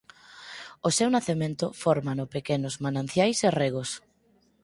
O seu nacemento fórmano pequenos mananciais e regos.